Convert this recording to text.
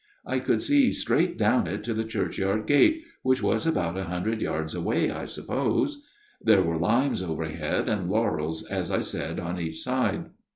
" I could see straight down it to the church yard gate, which was about a hundred yards away, I suppose. There were limes overhead, and laurels, as I said, on each side.